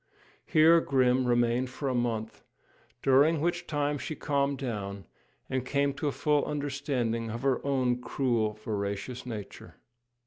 Here Grim remained for a month, during which time she calmed down, and came to a full understanding of her own cruel, voracious nature.